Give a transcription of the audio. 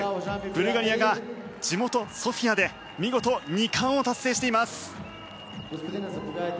ブルガリアが地元ソフィアで見事２冠を達成しています。